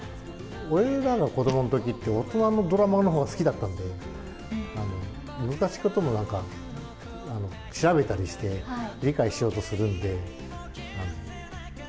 俺らが子どものときって、大人のドラマのほうが好きだったので、難しいこともなんか調べたりして、理解しようとするんで。